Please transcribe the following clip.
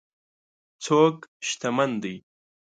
څوک شتمن دی.